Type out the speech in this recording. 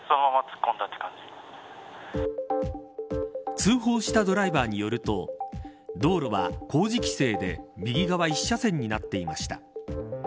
通報したドライバーによると道路は工事規制で右側一車線になっていました。